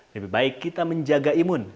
lebih baik kita menjaga imun